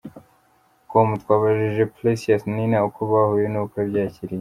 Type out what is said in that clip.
com twabajije Precious Nina uko bahuye n'uko yabyakiriye.